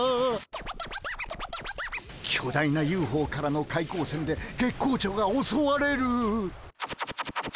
巨大なＵＦＯからの怪光線で月光町がおそわれる。